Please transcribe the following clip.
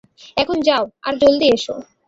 এখন যাও, আর জলদি নিয়ে এসো।